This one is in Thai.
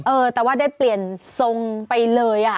เออแต่ว่าได้เปลี่ยนทรงไปเลยอ่ะ